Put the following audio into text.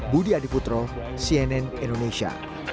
budi adiputro cnn indonesia